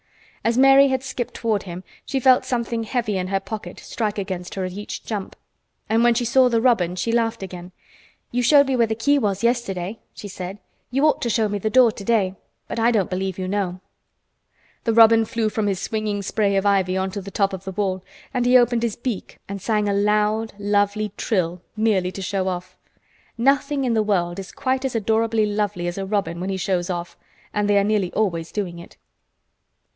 As Mary had skipped toward him she felt something heavy in her pocket strike against her at each jump, and when she saw the robin she laughed again. "You showed me where the key was yesterday," she said. "You ought to show me the door today; but I don't believe you know!" The robin flew from his swinging spray of ivy on to the top of the wall and he opened his beak and sang a loud, lovely trill, merely to show off. Nothing in the world is quite as adorably lovely as a robin when he shows off—and they are nearly always doing it.